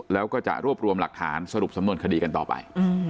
แล้วก็จะรวบรวมหลักฐานสรุปสำนวนคดีกันต่อไป